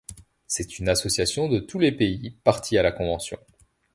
C'est une association de tous les pays Parties à la Convention.